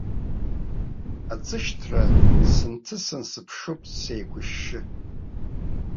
Аӡышьҭра сынҭысын, сыԥшуп сеиқәышьшьы.